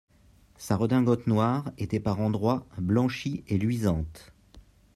Sa redingote noire était par endroits blanchie et luisante.